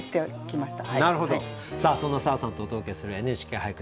さあそんな砂羽さんとお届けする「ＮＨＫ俳句」